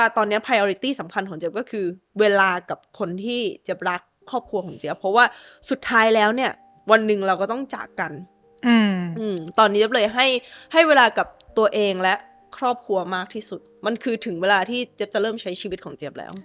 ตอนนี้เจ๊บเลยให้เวลากับตัวเองและครอบครัวมากที่สุดมันคือถึงเวลาที่เจ๊บจะเริ่มใช้ชีวิตของเจ๊บแล้ว